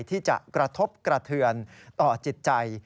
ที่จะกระทบกระเทือนต่อจิตใจ